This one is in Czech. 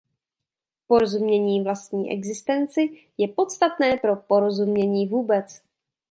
Porozumění vlastní existenci je podstatné pro porozumění vůbec.